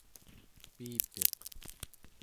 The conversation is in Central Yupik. piipiq